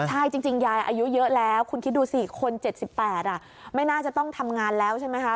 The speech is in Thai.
ใช่จริงยายอายุเยอะแล้วคุณคิดดูสิคน๗๘ไม่น่าจะต้องทำงานแล้วใช่ไหมคะ